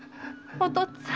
お父っつぁん。